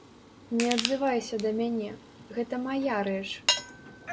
Не адзывайся да мяне, гэта мая рэч.